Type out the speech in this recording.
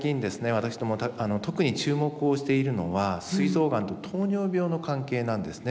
私ども特に注目をしているのはすい臓がんと糖尿病の関係なんですね。